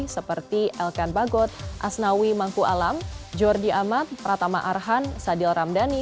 seperti elkan bagot asnawi mangku alam jordi amat pratama arhan sadil ramdhani